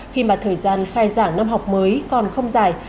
khi mà thời gian khai giảng năm học mới còn không dài